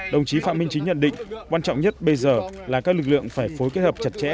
đồng chí phạm minh chính nhận định quan trọng nhất bây giờ là các lực lượng phải phối kết hợp chặt chẽ